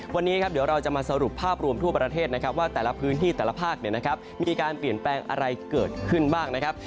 วันนี้ครับเดี๋ยวเราจะมาสรุปภาพรวมทั่วประเทศนะครับว่าแต่ละพื้นที่แต่ละภาคมีการเปลี่ยนแปลงอะไรเกิดขึ้นบ้างนะครับ